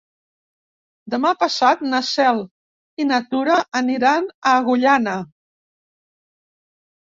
Demà passat na Cel i na Tura aniran a Agullana.